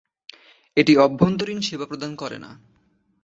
এটি অভ্যন্তরীণ সেবা প্রদান করে না।